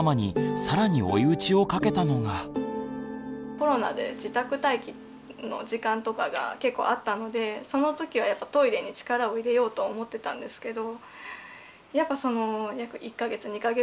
コロナで自宅待機の時間とかが結構あったのでその時はトイレに力を入れようとは思ってたんですけど